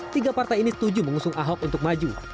tiga partai ini setuju mengusung ahok untuk maju